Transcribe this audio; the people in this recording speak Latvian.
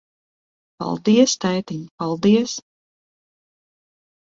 Paldies, tētiņ, paldies.